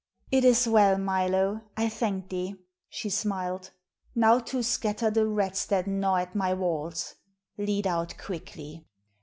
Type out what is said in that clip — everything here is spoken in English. "It is well, Milo; I thank thee," she smiled. "Now to scatter the rats that gnaw at my walls. Lead out quickly."